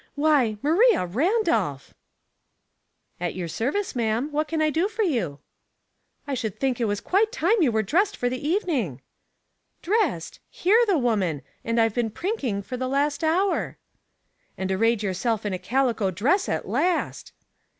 Why, Maria Randolph !"" At your service, ma'am. What can I do for you ?" "1 should think it was quite time you wero dressed for the evening." "Dressed! Hear the woman I and I've been prinking for the last hour." " And arrayed yourself in a calico dress at last!"